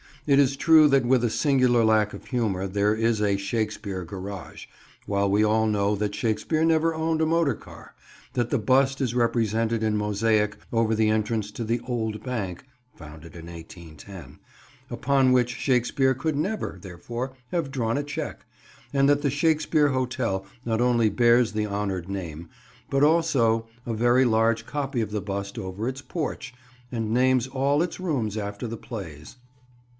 It is true that with a singular lack of humour there is a "Shakespeare Garage," while we all know that Shakespeare never owned a motor car; that the bust is represented in mosaic over the entrance to the Old Bank, founded in 1810, upon which Shakespeare could never, therefore, have drawn a cheque; and that the Shakespeare Hotel not only bears the honoured name, but also a very large copy of the bust over its porch, and names all its rooms after the plays.